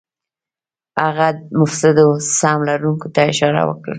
هغه مفسدو سهم لرونکو ته اشاره وکړه.